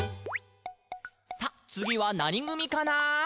「さあ、つぎはなにぐみかな？」